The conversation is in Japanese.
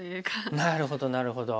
なるほどなるほど。